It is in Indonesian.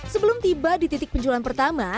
sebelum tiba di titik penjualan pertama